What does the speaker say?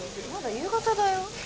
まだ夕方だよ？